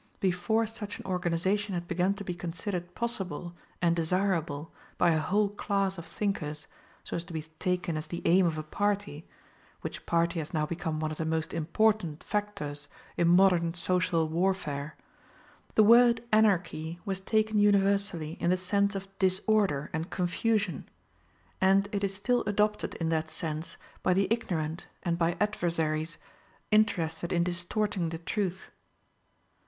Before such an organization had begun to be considered possible and desirable by a whole class of thinkers, so as to be taken as the aim of a party (which party has now become one of the most important factors in modern social warfare), the word Anarchy was taken universally in the sense of disorder and confusion; and it is still adopted in that sense by the ignorant and by adversaries interested in distorting the truth.